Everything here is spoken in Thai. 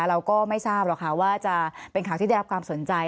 เราก็ไม่ทราบหรอกค่ะว่าจะเป็นข่าวที่ได้รับความสนใจ